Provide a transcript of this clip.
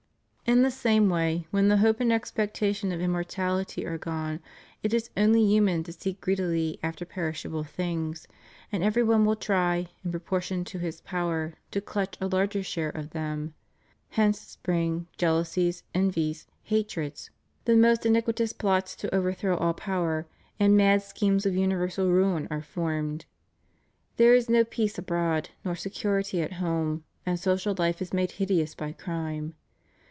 In the same way, when the hope and expectation of immortality are gone, it is only human to seek greedily after perishable things, and every one will try, in proportion to his power, to clutch a larger share of them. Hence spring, jealousies, envies, hatreds; the most iniquitous plots to overthrow all power and mad schemes of universal ruin are formed. There is no peace abroad, nor security at home, and social life is made hideous by crime.